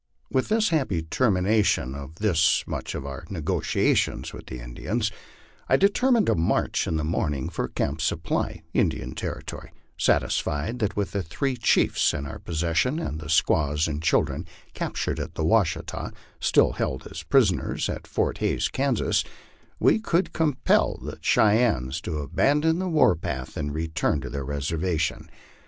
With this happy termination of this much of our negotiations with the In dians, I determined to march in the morning for Camp Supply, Indian Ter ritory, satisfied that with the three chiefs in our possession, and the squaws and children captured at the Washita still held as prisoners at Fort Hays, Kansas, we could compel the Cheyennes to abandon the war path and return to their reservation.